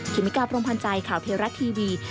เมกาพรมพันธ์ใจข่าวเทวรัฐทีวี